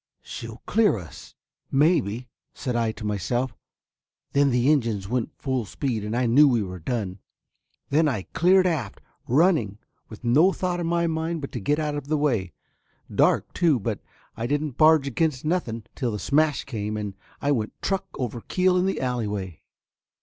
She'll clear us, maybe, said I to myself, then the engines went full speed and I knew we were done. Then I cleared aft, running, with no thought in my mind but to get out of the way, dark, too, but I didn't barge against nothing, till the smash came, and I went truck over keel in the alley way."